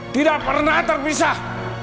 tidak pernah terpisah